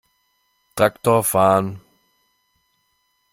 Traktor fahren!